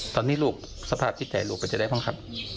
ตอนนี้สภาพที่ใจลูกก็จะได้ฟังครับ